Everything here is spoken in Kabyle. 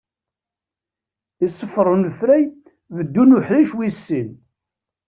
Iṣeffer unefray beddu n uḥric wis sin.